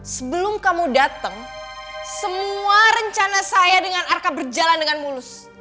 sebelum kamu datang semua rencana saya dengan arka berjalan dengan mulus